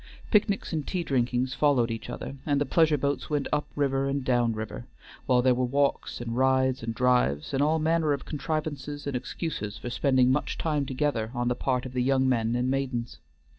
Picnics and tea drinkings followed each other, and the pleasure boats went up river and down river, while there were walks and rides and drives, and all manner of contrivances and excuses for spending much time together on the part of the young men and maidens.